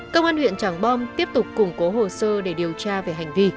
công an huyện tràng bom tiếp tục củng cố hồ sơ để điều tra về hành vi